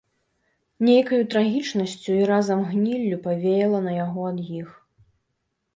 Нейкаю трагічнасцю і разам гніллю павеяла на яго ад іх.